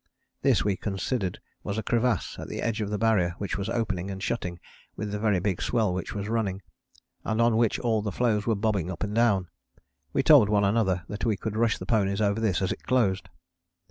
This we considered was a crevasse at the edge of the Barrier which was opening and shutting with the very big swell which was running, and on which all the floes were bobbing up and down. We told one another that we could rush the ponies over this as it closed.